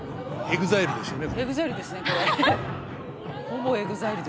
ほぼＥＸＩＬＥですね。